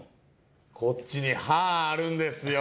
こっちに「ハー」あるんですよ。